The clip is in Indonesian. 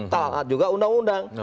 taat juga undang undang